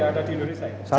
ini ada di indonesia ya